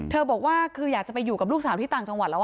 บอกว่าคืออยากจะไปอยู่กับลูกสาวที่ต่างจังหวัดแล้ว